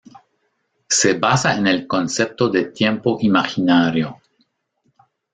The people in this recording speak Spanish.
Se basa en el concepto de tiempo imaginario.